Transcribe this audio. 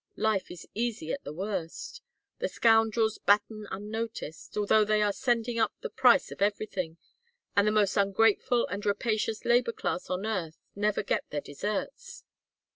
Life is easy at the worst. The scoundrels batten unnoticed although they are sending up the price of everything; and the most ungrateful and rapacious labor class on earth never get their deserts.